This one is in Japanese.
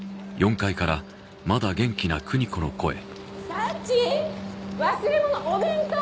サチ忘れ物お弁当！